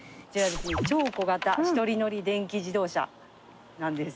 超小型一人乗り電気自動車なんです。